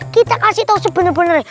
kita kasih tau sebenernya benernya